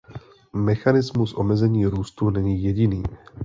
Mechanismus omezení růstu není jediný.